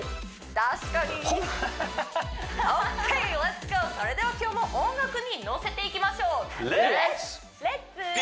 確かにオーケーレッツゴーそれでは今日も音楽に乗せていきましょう